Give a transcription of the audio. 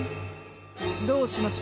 どうしました？